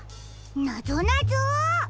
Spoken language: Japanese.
なぞなぞ？